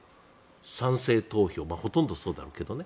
賛成投票ほとんどそうだろうけどね。